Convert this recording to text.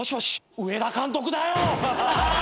上田監督だよ！